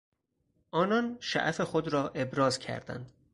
آنان شعف خود را ابراز کردند.